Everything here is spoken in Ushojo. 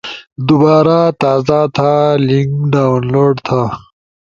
دوبارا تازا تھا، لنک ڈاونلوڈ تھا